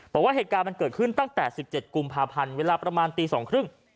บอกว่าเหตุการณ์มันเกิดขึ้นตั้งแต่สิบเจ็ดกุมภาพันธุ์เวลาประมาณตีสองครึ่ง